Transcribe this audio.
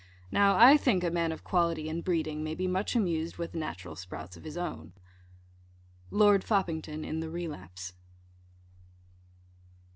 Now I think a man of quality and breeding may be much amused with the natural sprouts of his own. _Lord Foppington in the Relapse.